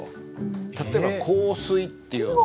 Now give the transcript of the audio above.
例えば「香水」っていうのも。